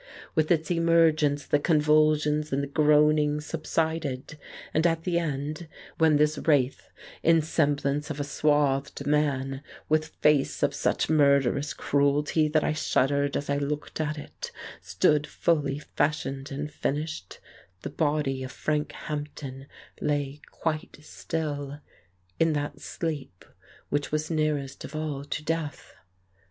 With its emergence the convulsions and the groanings sub sided, and at the end, when this wraith in semblance of a swathed man, with face of such murderous cruelty that I shuddered as I looked at it, stood fully fashioned and finished, the body of Frank Hampden lay 1 68 The Case of Frank Hampden quite still, in that sleep which was nearest of all to death.